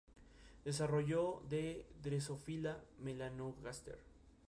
Se opuso al colonialismo y se enfrentó a la intervención francesa en Marruecos.